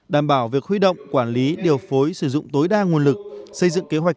đảm bảo việc huy động quản lý điều phối sử dụng tối đa nguồn lực xây dựng kế hoạch